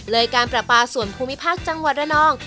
การประปาส่วนภูมิภาคจังหวัดระนอง